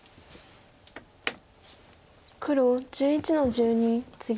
黒１１の十二ツギ。